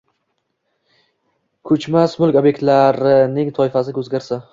Koʼchmas mulk obʼektining toifasi oʼzgarsa